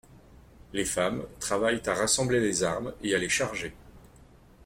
Les femmes travaillent à rassembler les armes et à les charger.